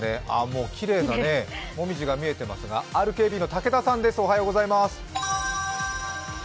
きれいなもみじが見えてますがＲＫＢの武田さんです。